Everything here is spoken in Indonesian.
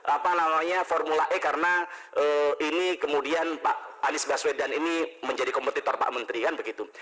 apa namanya formula e karena ini kemudian pak anies baswedan ini menjadi kompetitor pak menteri kan begitu